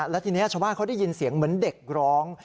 แล้วทีนี้ชาวบ้านเขาได้ยินเสียงเหมือนเด็กร้อง